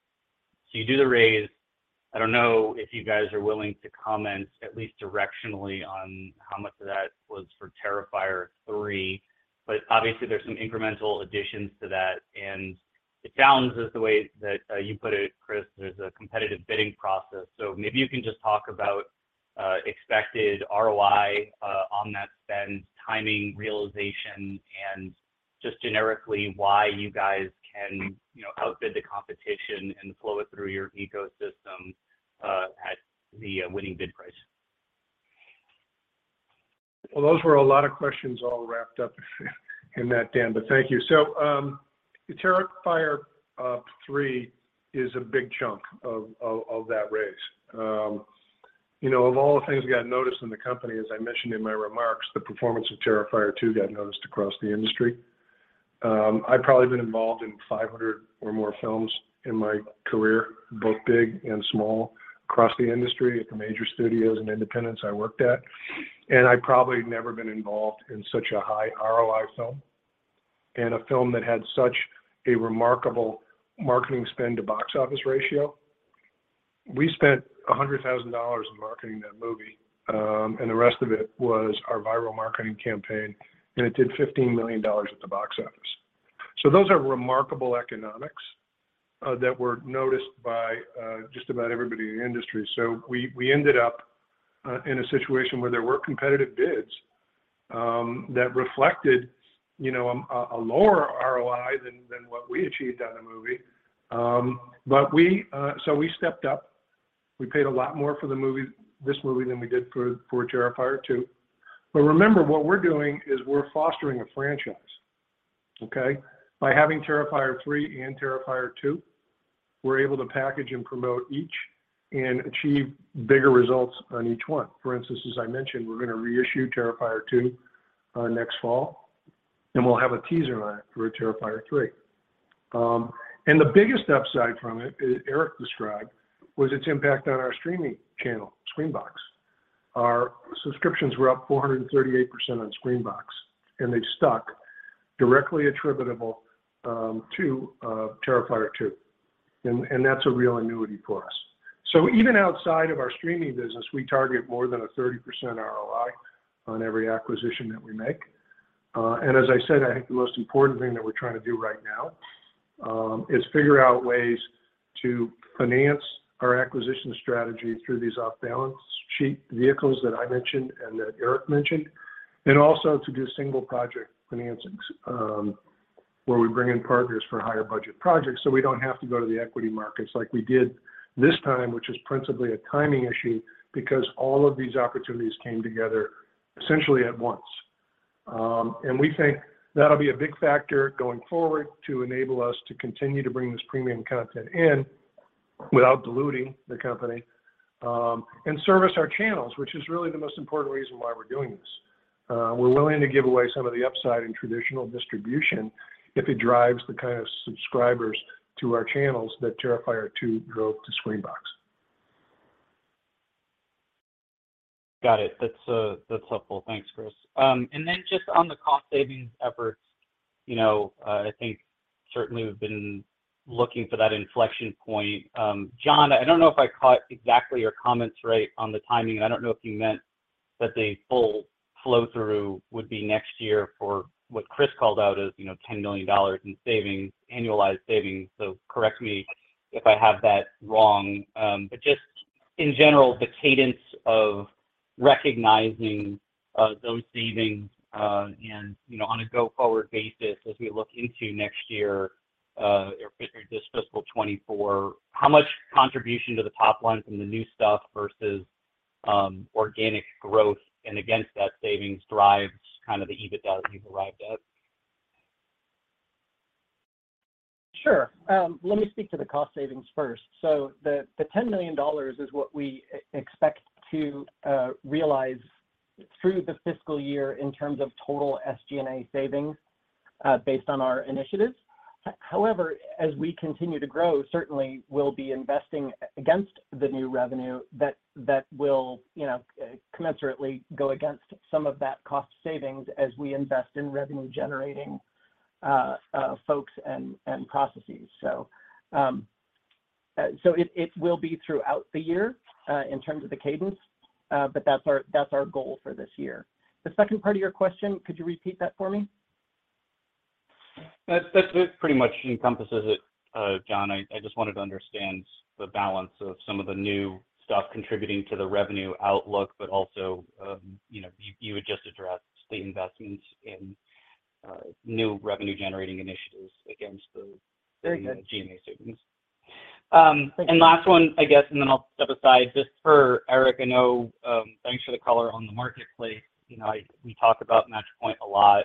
You do the raise. I don't know if you guys are willing to comment, at least directionally, on how much of that was for Terrifier 3, but obviously there's some incremental additions to that, and it sounds as the way that you put it, Chris, there's a competitive bidding process. Maybe you can just talk about expected ROI on that spend, timing, realization, and just generically, why you guys can, you know, outbid the competition and flow it through your ecosystem at the winning bid price. Those were a lot of questions all wrapped up in that, Dan, thank you. The Terrifier 3 is a big chunk of that race. You know, of all the things that got noticed in the company, as I mentioned in my remarks, the performance of Terrifier 2 got noticed across the industry. I've probably been involved in 500 or more films in my career, both big and small, across the industry, at the major studios and independents I worked at, I've probably never been involved in such a high-ROI film and a film that had such a remarkable marketing spend to box office ratio. We spent $100,000 in marketing that movie, the rest of it was our viral marketing campaign, and it did $15 million at the box office. Those are remarkable economics that were noticed by just about everybody in the industry. We ended up in a situation where there were competitive bids that reflected, you know, a lower ROI than what we achieved on the movie. We stepped up. We paid a lot more for the movie, this movie, than we did for Terrifier 2. Remember, what we're doing is we're fostering a franchise, okay? By having Terrifier 3 and Terrifier 2, we're able to package and promote each and achieve bigger results on each one. For instance, as I mentioned, we're gonna reissue Terrifier 2 next fall, and we'll have a teaser on it for Terrifier 3. The biggest upside from it, as Erick described, was its impact on our streaming channel, Screambox. Our subscriptions were up 438% on Screambox, and they've stuck directly attributable to Terrifier 2, and that's a real annuity for us. Even outside of our streaming business, we target more than a 30% ROI on every acquisition that we make. As I said, I think the most important thing that we're trying to do right now is figure out ways to finance our acquisition strategy through these off-balance sheet vehicles that I mentioned and that Erick mentioned, and also to do single project financings where we bring in partners for higher budget projects, so we don't have to go to the equity markets like we did this time, which is principally a timing issue because all of these opportunities came together essentially at once. We think that'll be a big factor going forward to enable us to continue to bring this premium content in without diluting the company, and service our channels, which is really the most important reason why we're doing this. We're willing to give away some of the upside in traditional distribution if it drives the kind of subscribers to our channels that Terrifier 2 drove to Screambox. Got it. That's, that's helpful. Thanks, Chris. Just on the cost savings efforts, you know, I think certainly we've been looking for that inflection point. John, I don't know if I caught exactly your comments right on the timing. I don't know if you meant that the full flow-through would be next year for what Chris called out as, you know, $10 million in savings, annualized savings. Correct me if I have that wrong, but just in general, the cadence of recognizing those savings, and, you know, on a go-forward basis as we look into next year, or this fiscal 2024, how much contribution to the top line from the new stuff versus organic growth and against that savings drives kind of the EBITDA that you've arrived at? Sure. Let me speak to the cost savings first. The $10 million is what we expect to realize through the fiscal year in terms of total SG&A savings, based on our initiatives. As we continue to grow, certainly we'll be investing against the new revenue that will, you know, commensurately go against some of that cost savings as we invest in revenue-generating folks and processes. It will be throughout the year in terms of the cadence, but that's our goal for this year. The second part of your question, could you repeat that for me? That pretty much encompasses it, John. I just wanted to understand the balance of some of the new stuff contributing to the revenue outlook, but also, you know, you had just addressed the investments in new revenue-generating initiatives against- Very good. SG&A savings. Last one, I guess, and then I'll step aside. Just for Erick, I know, thanks for the color on the marketplace. You know, we talk about Matchpoint a lot,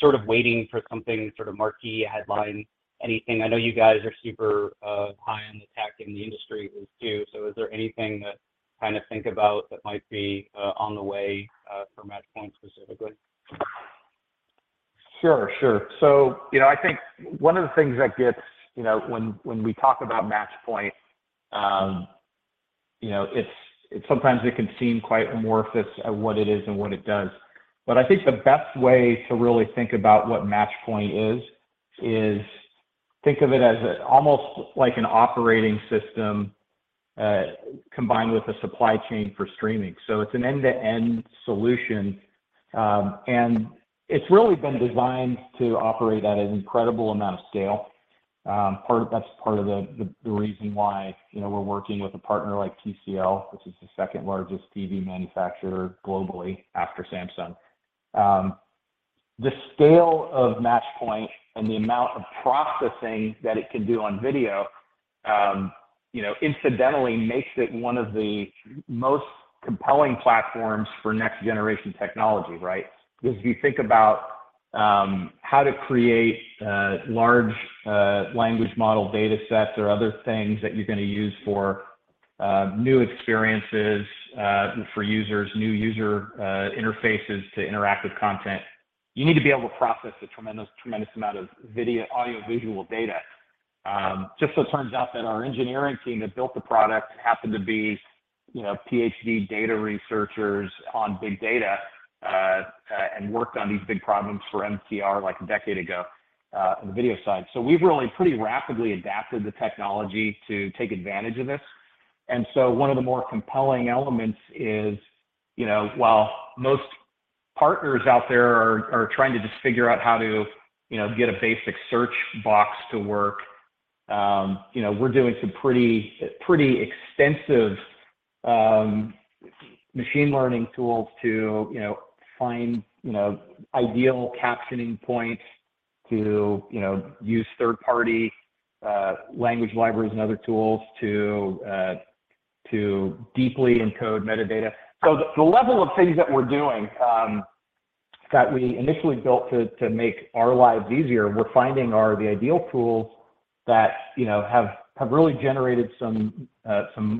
sort of waiting for something sort of marquee, a headline, anything? I know you guys are super high on the tech, and the industry is too. Is there anything that kind of think about that might be on the way for Matchpoint specifically? Sure, sure. You know, I think one of the things that gets, you know, when we talk about Matchpoint, you know, sometimes it can seem quite amorphous of what it is and what it does. I think the best way to really think about what Matchpoint is think of it as almost like an operating system, combined with a supply chain for streaming. It's an end-to-end solution, it's really been designed to operate at an incredible amount of scale. That's part of the reason why, you know, we're working with a partner like TCL, which is the second largest TV manufacturer globally after Samsung. The scale of Matchpoint and the amount of processing that it can do on video, you know, incidentally makes it one of the most compelling platforms for next-generation technology, right? Because if you think about how to create large language model datasets or other things that you're gonna use for new experiences for users, new user interfaces to interactive content, you need to be able to process a tremendous amount of video, audiovisual data. Just so it turns out that our engineering team that built the product happened to be, you know, PhD data researchers on big data and worked on these big problems for MCR, like a decade ago on the video side. We've really pretty rapidly adapted the technology to take advantage of this. One of the more compelling elements is, you know, while most partners out there are trying to just figure out how to, you know, get a basic search box to work, you know, we're doing some pretty extensive machine learning tools to, you know, find, you know, ideal captioning points, to, you know, use third-party language libraries and other tools to deeply encode metadata. So the level of things that we're doing, that we initially built to make our lives easier, we're finding are, the ideal tools that, you know, have really generated some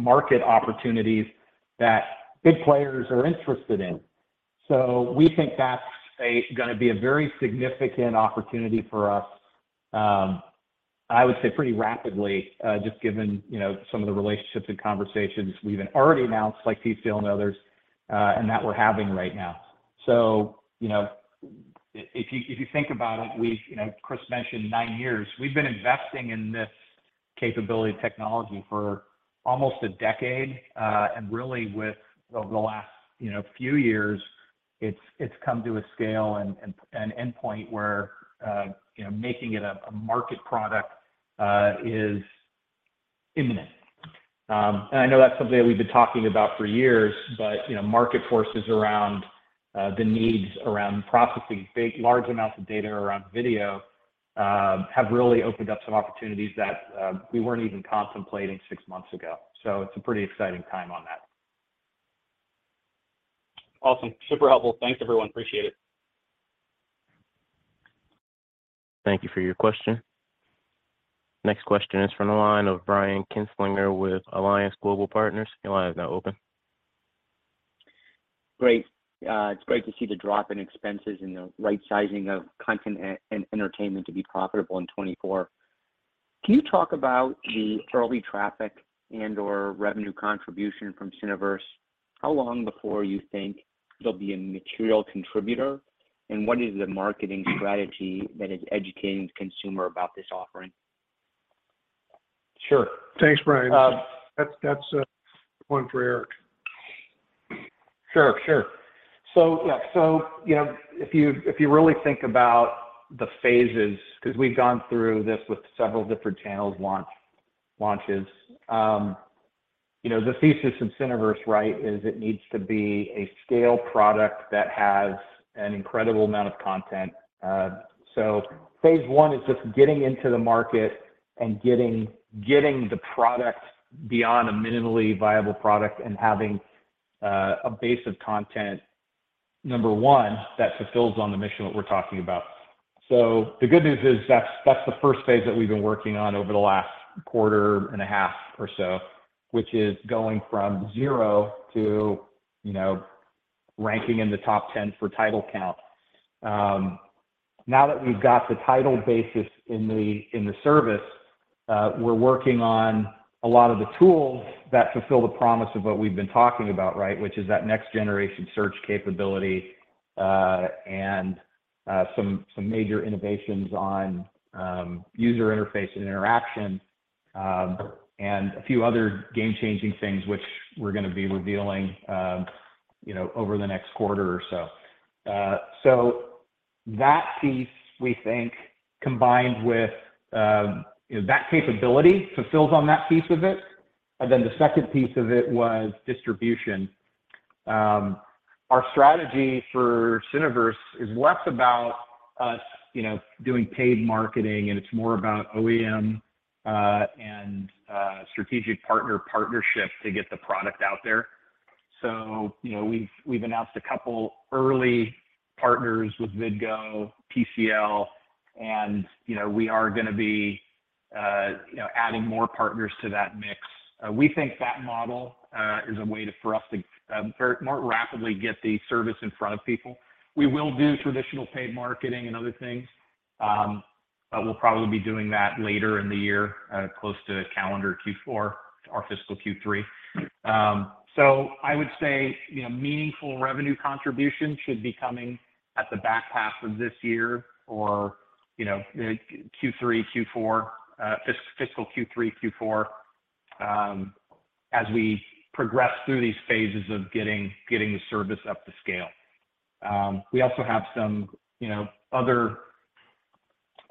market opportunities that big players are interested in. We think that's gonna be a very significant opportunity for us, I would say pretty rapidly, just given, you know, some of the relationships and conversations we've already announced, like TCL and others, and that we're having right now. You know, if you think about it, you know Chris mentioned nine years. We've been investing in this capability technology for almost a decade, and really with, over the last, you know, few years, it's come to a scale and endpoint where, you know, making it a market product is imminent. I know that's something that we've been talking about for years, but, you know, market forces around the needs around processing big, large amounts of data around video have really opened up some opportunities that we weren't even contemplating six months ago. It's a pretty exciting time on that. Awesome. Super helpful. Thanks, everyone. Appreciate it. Thank you for your question. Next question is from the line of Brian Kinstlinger with Alliance Global Partners. Your line is now open. Great. It's great to see the drop in expenses and the right sizing of content and entertainment to be profitable in 2024. Can you talk about the early traffic and/or revenue contribution from Cineverse? How long before you think they'll be a material contributor, and what is the marketing strategy that is educating the consumer about this offering? Sure. Thanks, Brian. Um- That's one for Eric. Sure, sure. Yeah, you know, if you, if you really think about the phases, 'cause we've gone through this with several different channels launches. You know, the thesis of Cineverse, right, is it needs to be a scale product that has an incredible amount of content. Phase one is just getting into the market and getting the product beyond a minimally viable product and having a base of content, number one, that fulfills on the mission that we're talking about. The good news is that's the first phase that we've been working on over the last quarter and a half or so, which is going from zero to, you know, ranking in the top 10 for title count. Now that we've got the title basis in the service, we're working on a lot of the tools that fulfill the promise of what we've been talking about, right, which is that next generation search capability, and some major innovations on user interface and interaction, and a few other game-changing things which we're gonna be revealing, you know, over the next quarter or so. So that piece, we think, combined with, you know, that capability, fulfills on that piece of it. The second piece of it was distribution. Our strategy for Cineverse is less about us, you know, doing paid marketing, and it's more about OEM, and strategic partner partnerships to get the product out there. You know, we've announced a couple early partners with Vidgo, TCL, and, you know, we are gonna be, you know, adding more partners to that mix. We think that model is a way for us to very more rapidly get the service in front of people. We will do traditional paid marketing and other things. But we'll probably be doing that later in the year, close to calendar Q4, our fiscal Q3. I would say, you know, meaningful revenue contribution should be coming at the back half of this year or, you know, Q3, Q4, fiscal Q3, Q4, as we progress through these phases of getting the service up to scale. We also have some, you know,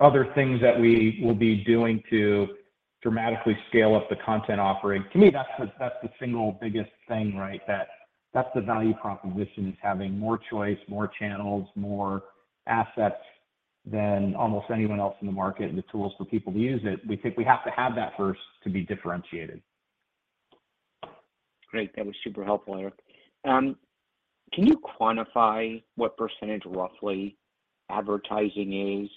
other things that we will be doing to dramatically scale up the content offering. To me, that's the single biggest thing, right? That's the value proposition, is having more choice, more channels, more assets than almost anyone else in the market, and the tools for people to use it. We think we have to have that first to be differentiated. Great. That was super helpful, Erick. Can you quantify what percentage, roughly, advertising is?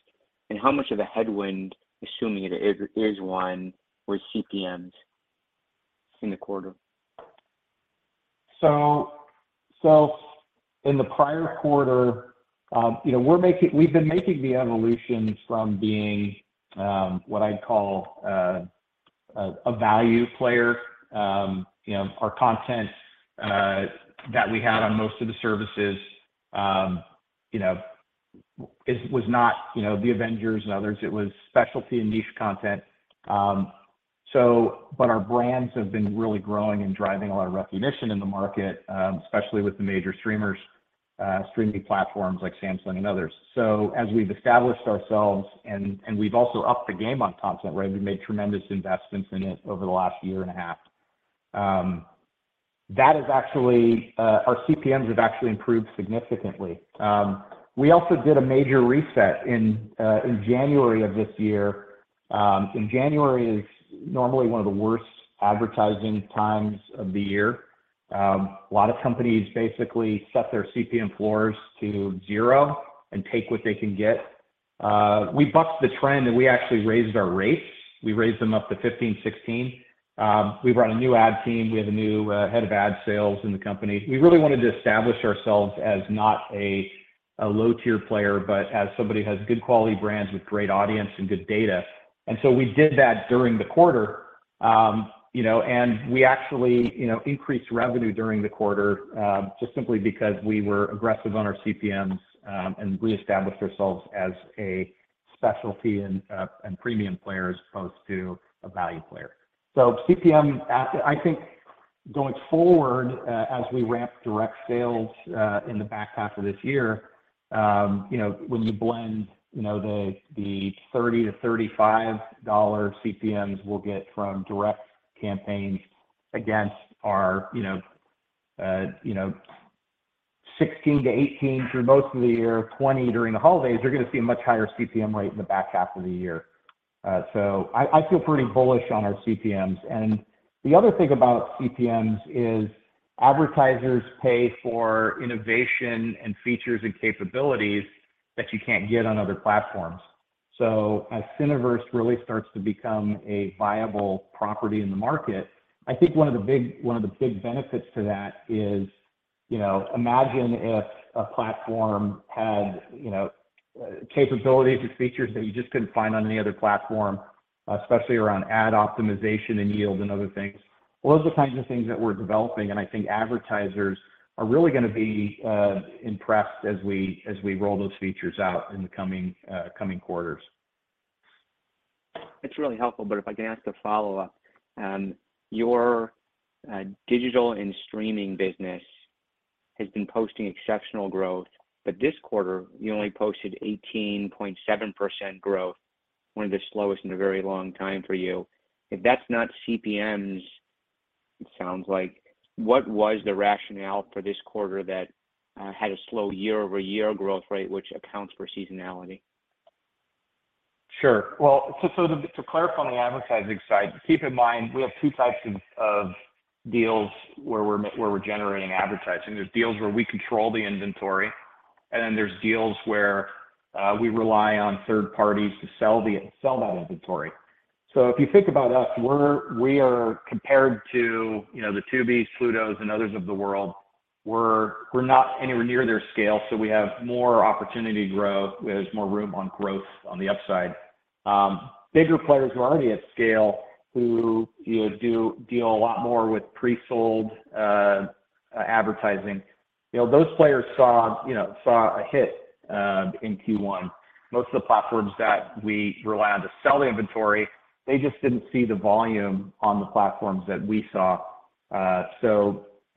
How much of a headwind, assuming it is, were CPMs in the quarter? In the prior quarter, you know, we've been making the evolution from being what I'd call a value player. You know, our content that we had on most of the services, you know, it was not, you know, The Avengers and others. It was specialty and niche content. Our brands have been really growing and driving a lot of recognition in the market, especially with the major streamers, streaming platforms like Samsung and others. As we've established ourselves and we've also upped the game on content, right? We've made tremendous investments in it over the last year and a half. That is actually our CPMs have actually improved significantly. We also did a major reset in January of this year. January is normally one of the worst advertising times of the year. A lot of companies basically set their CPM floors to zero and take what they can get. We bucked the trend, and we actually raised our rates. We raised them up to $15, $16. We brought a new ad team. We have a new head of ad sales in the company. We really wanted to establish ourselves as not a low-tier player, but as somebody who has good quality brands with great audience and good data. We did that during the quarter, you know, and we actually, you know, increased revenue during the quarter, just simply because we were aggressive on our CPMs, and reestablished ourselves as a specialty and premium player, as opposed to a value player. CPM, I think going forward, as we ramp direct sales in the back half of this year, you know, when you blend, you know, the $30-$35 CPMs we'll get from direct campaigns against our, you know, $16-$18 through most of the year, $20 during the holidays, you're gonna see a much higher CPM rate in the back half of the year. I feel pretty bullish on our CPMs. The other thing about CPMs is advertisers pay for innovation, and features, and capabilities that you can't get on other platforms. As Cineverse really starts to become a viable property in the market, I think one of the big benefits to that is, you know, imagine if a platform had, you know, capabilities and features that you just couldn't find on any other platform, especially around ad optimization, and yield, and other things. Well, those are the kinds of things that we're developing, and I think advertisers are really gonna be impressed as we roll those features out in the coming quarters. It's really helpful, but if I could ask a follow-up, your digital and streaming business has been posting exceptional growth, but this quarter, you only posted 18.7% growth, one of the slowest in a very long time for you. If that's not CPMs, it sounds like, what was the rationale for this quarter that had a slow year-over-year growth rate, which accounts for seasonality? Sure. Well, to clarify on the advertising side, keep in mind, we have two types of deals where we're generating advertising. There's deals where we control the inventory, and then there's deals where we rely on third parties to sell that inventory. If you think about us, we are compared to, you know, the Tubis, Plutos, and others of the world, we're not anywhere near their scale, so we have more opportunity to grow. There's more room on growth on the upside. Bigger players who are already at scale, who, you know, do deal a lot more with pre-sold advertising, you know, those players saw a hit in Q1. Most of the platforms that we rely on to sell the inventory, they just didn't see the volume on the platforms that we saw.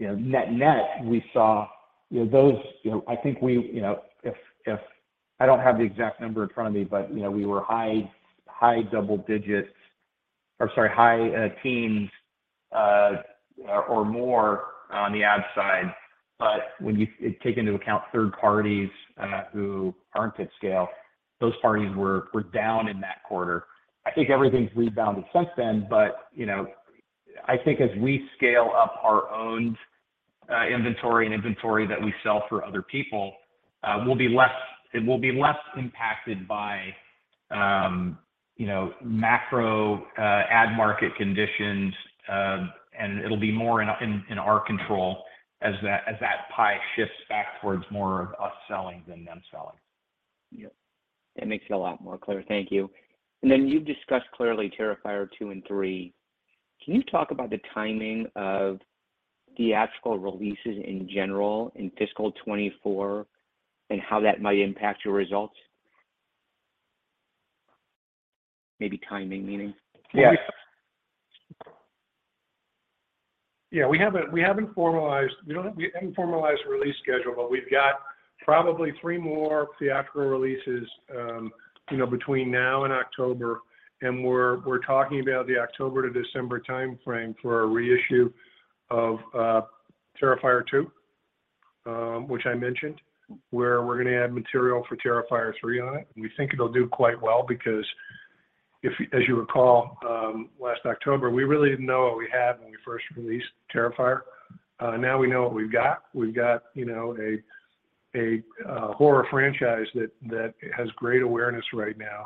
You know, net-net, we saw, you know, those, you know. I think we, you know, I don't have the exact number in front of me, but, you know, we were high double digits, or sorry, high teens or more on the ad side. When you take into account third parties who aren't at scale, those parties were down in that quarter. I think everything's rebounded since then, you know, I think as we scale up our own inventory and inventory that we sell for other people, it will be less impacted by, you know, macro ad market conditions. It'll be more in our control as that pie shifts back towards more of us selling than them selling. Yep. That makes it a lot more clear. Thank you. You've discussed clearly Terrifier 2 and 3. Can you talk about the timing of theatrical releases in general in fiscal 2024, and how that might impact your results? Maybe timing, meaning- Yes. Yeah, we haven't formalized a release schedule, we've got probably three more theatrical releases, you know, between now and October. We're talking about the October-December timeframe for a reissue of Terrifier 2, which I mentioned, where we're gonna add material for Terrifier 3 on it. We think it'll do quite well because if, as you recall, last October, we really didn't know what we had when we first released Terrifier. Now we know what we've got. We've got, you know, a horror franchise that has great awareness right now,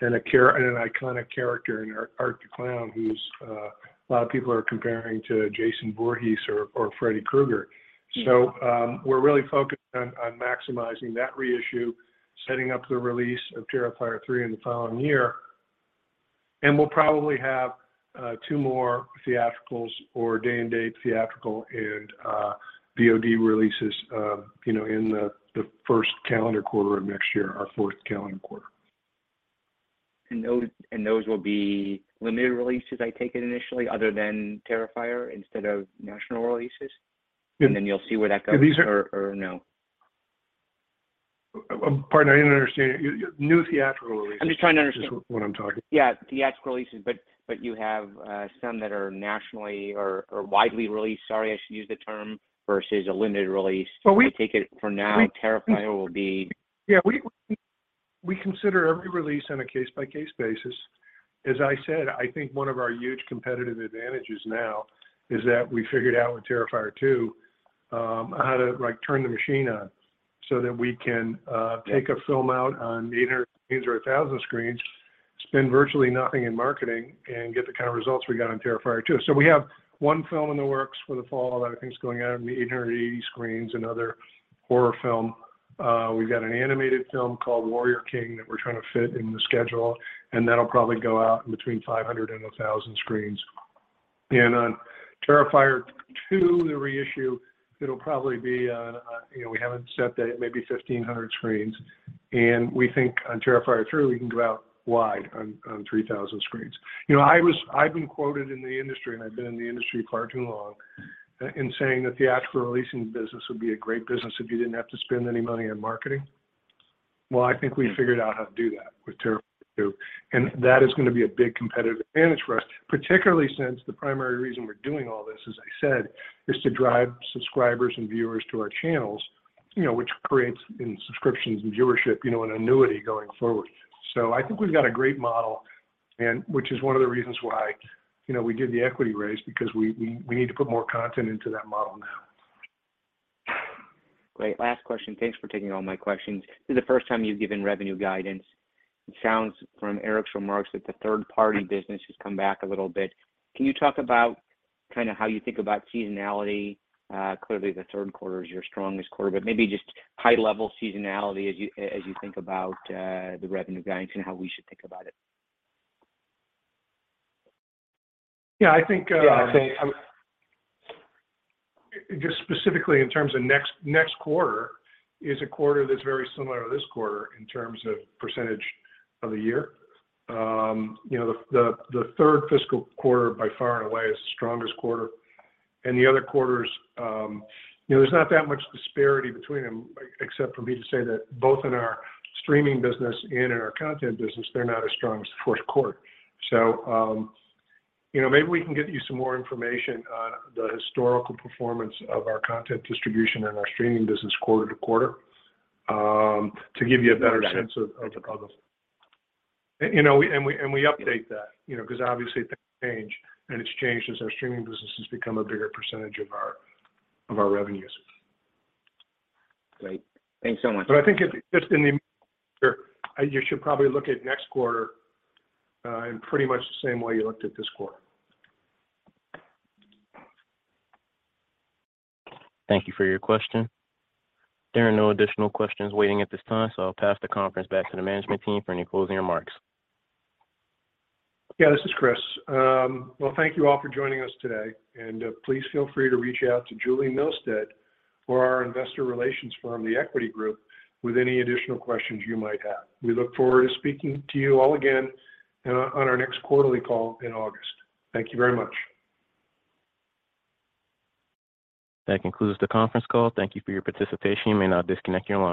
and an iconic character in Art the Clown, who's a lot of people are comparing to Jason Voorhees or Freddy Krueger. We're really focused on maximizing that reissue, setting up the release of Terrifier 3 in the following year. We'll probably have two more theatricals or day-and-date theatrical and VOD releases, you know, in the first calendar quarter of next year, our fourth calendar quarter. Those will be limited releases, I take it initially, other than Terrifier, instead of national releases? Yeah. You'll see where that goes. These are- Or no? Pardon, I didn't understand. New theatrical releases- I'm just trying to understand. is what I'm talking about. Yeah, theatrical releases, but you have some that are nationally or widely released, sorry, I should use the term, versus a limited release. Well, we- I take it for now... We- Terrifier will be... Yeah, we consider every release on a case-by-case basis. As I said, I think one of our huge competitive advantages now is that we figured out with Terrifier 2, how to, like, turn the machine on, so that we can take a film out on 800 or 1,000 screens, spend virtually nothing in marketing, and get the kind of results we got on Terrifier 2. We have one film in the works for the fall that I think is going out on the 880 screens, another horror film. We've got an animated film called Warrior King, that we're trying to fit in the schedule, and that'll probably go out in between 500 and 1,000 screens. On Terrifier 2, the reissue, it'll probably be on, you know, we haven't set that, it may be 1,500 screens, and we think on Terrifier 3, we can go out wide on 3,000 screens. You know, I've been quoted in the industry, and I've been in the industry far too long, in saying that theatrical releasing business would be a great business if you didn't have to spend any money on marketing. Well, I think we figured out how to do that with Terrifier 2, and that is gonna be a big competitive advantage for us, particularly since the primary reason we're doing all this, as I said, is to drive subscribers and viewers to our channels, you know, which creates in subscriptions and viewership, you know, an annuity going forward. I think we've got a great model, and which is one of the reasons why, you know, we did the equity raise, because we need to put more content into that model now. Great. Last question. Thanks for taking all my questions. This is the first time you've given revenue guidance. It sounds from Erick's remarks that the third-party business has come back a little bit. Can you talk about kinda how you think about seasonality? Clearly, the third quarter is your strongest quarter, but maybe just high-level seasonality as you think about the revenue guidance and how we should think about it? Yeah, I think, just specifically in terms of next quarter is a quarter that's very similar to this quarter in terms of percentage of the year. You know, the third fiscal quarter, by far and away, is the strongest quarter. The other quarters, you know, there's not that much disparity between them, except for me to say that both in our streaming business and in our content business, they're not as strong as the fourth quarter. You know, maybe we can get you some more information on the historical performance of our content distribution and our streaming business quarter-to-quarter to give you a better sense of- Got it.... of the, you know, we update that, you know, because obviously things change, and it's changed as our streaming business has become a bigger percentage of our revenues. Great. Thanks so much. I think it. You should probably look at next quarter in pretty much the same way you looked at this quarter. Thank you for your question. There are no additional questions waiting at this time, so I'll pass the conference back to the management team for any closing remarks. Yeah, this is Chris. Well, thank you all for joining us today, and please feel free to reach out to Julie Milstead or our investor relations firm, The Equity Group, with any additional questions you might have. We look forward to speaking to you all again, on our next quarterly call in August. Thank you very much. That concludes the conference call. Thank you for your participation. You may now disconnect your line.